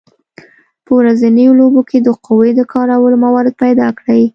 په ورځنیو لوبو کې د قوې د کارولو موارد پیداکړئ.